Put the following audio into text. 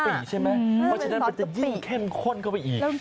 เพราะฉะนั้นมันจะยิ่งเข้มข้นเข้าไปอีก